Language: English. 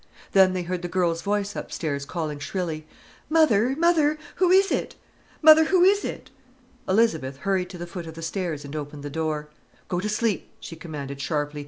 Then they heard the girl's voice upstairs calling shrilly: "Mother, mother—who is it? Mother, who is it?" Elizabeth hurried to the foot of the stairs and opened the door: "Go to sleep!" she commanded sharply.